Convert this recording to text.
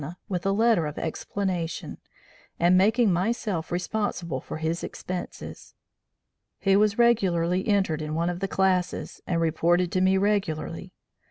with a letter of explanation, and making myself responsible for his expenses. He was regularly entered in one of the classes, and reported to me regularly.